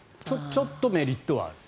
ちょっとメリットはある。